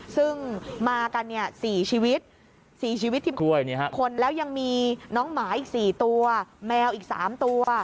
ซึ่งมากัน๔ชีวิต๔ชีวิตคนแล้วยังมีน้องหมาอีก๔ตัวแมวอีก๓ตัว